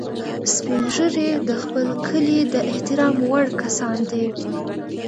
سپین ږیری د خپل کلي د احترام وړ کسان دي